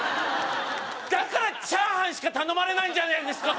だからチャーハンしか頼まれないんじゃないんですか